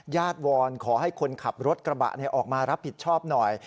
วอนขอให้คนขับรถกระบะออกมารับผิดชอบหน่อย